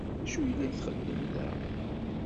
D acu i la txeddem da?